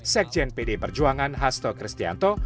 sekjen pd perjuangan hasto kristianto